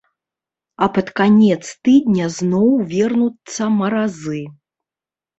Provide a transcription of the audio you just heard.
А пад канец тыдня зноў вернуцца маразы.